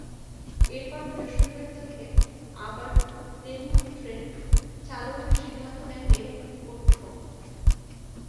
এরপর বৃহস্পতিবার থেকে আবার ডেমু ট্রেন চালুর সিদ্ধান্ত নেয় রেল কর্তৃপক্ষ।